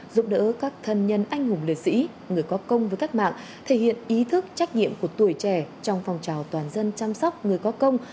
giúp đỡ các thân nhân anh hùng liệt sĩ người có công với cách mạng thể hiện ý thức trách nhiệm của tuổi trẻ trong phòng trào toàn dân chăm sóc người có công